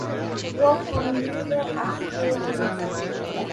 Può condurre a sterilità.